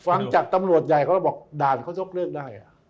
ฟังจากตำรวจใหญ่เขาแล้วบอกด่านเขายกเลิกได้